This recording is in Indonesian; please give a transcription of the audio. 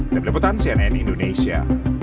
dibeliputan cnn indonesia